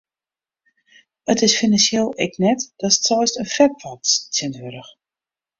It is finansjeel ek net datst seist in fetpot tsjinwurdich.